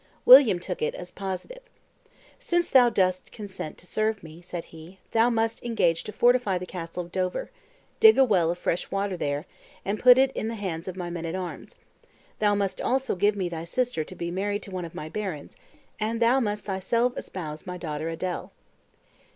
William took it as positive. "Since thou dost consent to serve me," said he, "thou must engage to fortify the castle of Dover, dig a well of fresh water there, and put it into the hands of my men at arms; thou must also give me thy sister to be married to one of my barons, and thou must thyself espouse my daughter Adele."